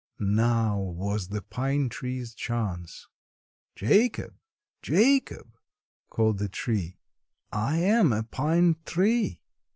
Now was the pine tree's chance. "Jacob, Jacob!" called the tree; "I am a pine tree."